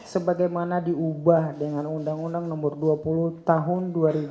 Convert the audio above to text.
sebagaimana diubah dengan undang undang nomor dua puluh tahun dua ribu dua